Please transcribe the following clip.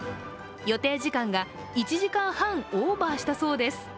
予定時間が１時間半オーバーしたそうです。